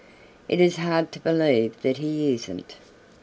It is hard to believe that he isn't."